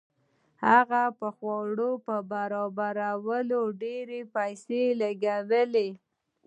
هغه به د خوړو په برابرولو ډېرې پیسې لګولې.